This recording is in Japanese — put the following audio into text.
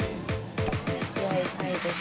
「付き合いたいです、、」